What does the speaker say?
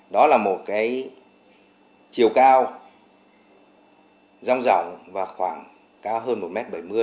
đó là một cái chiều cao rong rộng và khoảng cao hơn một m bảy mươi